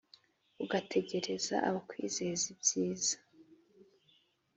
ugategereza abakwizeza ibyiza